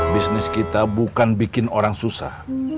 bisnis kita bukan bikin orang susah